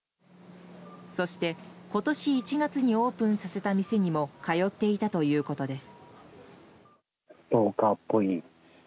そして、今年１月にオープンさせた店にも通っていたということです。